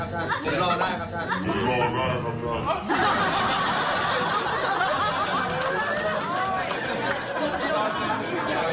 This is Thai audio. เห็นอเจ้าบอกอยากการขึ้นตั้งเหรอ